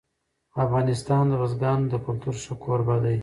افغانستان د بزګانو د کلتور ښه کوربه دی.